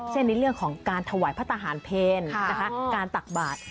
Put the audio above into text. เช่นในเรื่องของการถวายพระทหารเพลการตักบาท